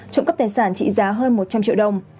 trộm cắp tài sản trị giá hơn một trăm linh triệu đồng